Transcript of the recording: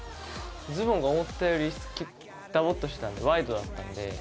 ズボンが思ったよりダボッとしてたワイドだったんで。